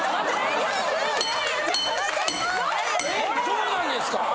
そうなんですか？